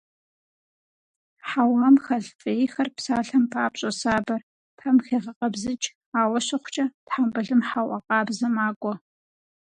Хьэуам хэлъ фӀейхэр, псалъэм папщӀэ сабэр, пэм хегъэкъэбзыкӀ, ауэ щыхъукӀэ, тхьэмбылым хьэуа къабзэ макӀуэ.